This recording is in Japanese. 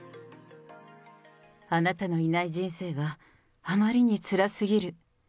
あなたのいない人生はあまりにつらすぎる。